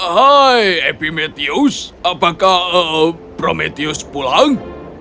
hai epimetheus apakah prometheus pulang